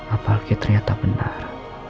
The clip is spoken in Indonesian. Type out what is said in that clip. apalagi ternyata benar